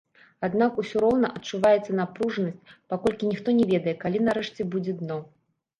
Аднак усё роўна адчуваецца напружанасць, паколькі ніхто не ведае, калі нарэшце будзе дно.